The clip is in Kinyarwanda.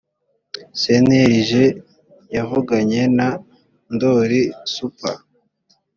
cnlg yavuganye na ndoli super